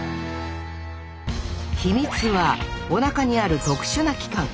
秘密はおなかにある特殊な器官。